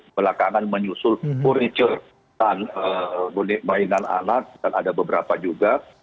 belakangan menyusul furniture mainan anak dan ada beberapa juga